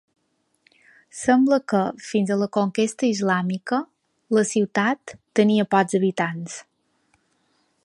Sembla que, fins a la conquesta islàmica, la ciutat tenia pocs habitants.